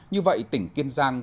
như vậy tỉnh kiên giang